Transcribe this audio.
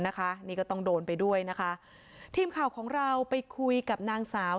นะคะนี่ก็ต้องโดนไปด้วยนะคะทีมข่าวของเราไปคุยกับนางสาว